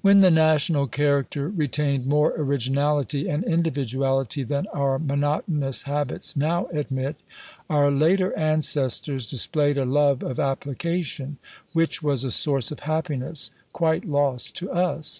When the national character retained more originality and individuality than our monotonous habits now admit, our later ancestors displayed a love of application, which was a source of happiness, quite lost to us.